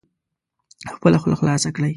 خپله خوله خلاصه کړئ